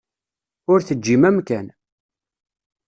Ur teǧǧim amkan.